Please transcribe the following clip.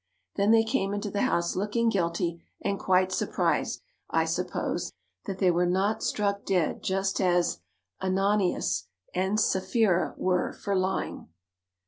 Then they came into the house looking guilty and quite surprised, I suppose, that they were not struck dead just as Ananias and Sapphira were for lying.